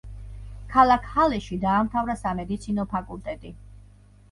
ქალაქ ჰალეში დაამთავრა სამედიცინო ფაკულტეტი.